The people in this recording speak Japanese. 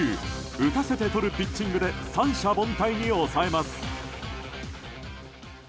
打たせてとるピッチングで三者凡退に抑えます。